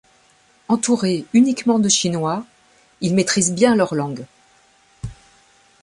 Entouré uniquement de chinois, il maîtrise bien leur langue.